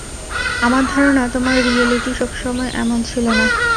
আমার ধারণা তোমার রিয়েলিটি সবসময় এমন ছিল না?